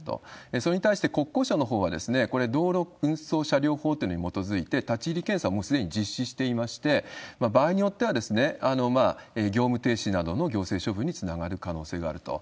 それに対して国交省のほうは、これ、道路運送車両法というのに基づいて、立ち入り検査をもうすでに実施していまして、場合によっては業務停止などの行政処分につながる可能性があると。